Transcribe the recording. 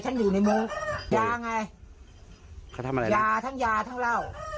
อยู่ในมือยาไงเขาทำอะไรยาทั้งยาทั้งเหล้า